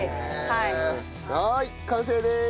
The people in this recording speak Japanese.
はい完成でーす！